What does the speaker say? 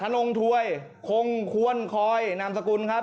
ทะนงถวยงควรคอยนสกุลครับ